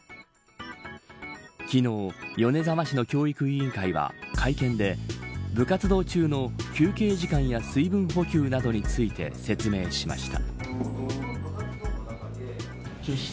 昨日、米沢市の教育委員会は会見で部活動中の休憩時間や水分補給などについて説明しました。